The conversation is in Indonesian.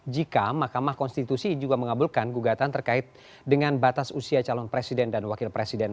jika mahkamah konstitusi juga mengabulkan gugatan terkait dengan batas usia calon presiden dan wakil presiden